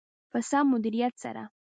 په سم مدیریت سره.